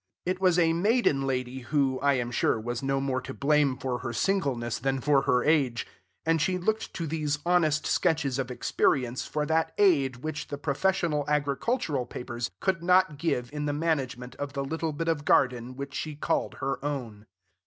It was a maiden lady, who, I am sure, was no more to blame for her singleness than for her age; and she looked to these honest sketches of experience for that aid which the professional agricultural papers could not give in the management of the little bit of garden which she called her own.